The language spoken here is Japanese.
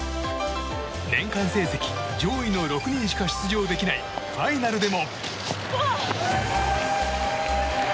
年間成績上位の６人しか出場できないファイナルでも。